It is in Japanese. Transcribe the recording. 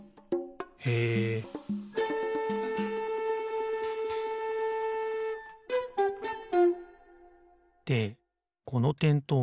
へえでこのてんとう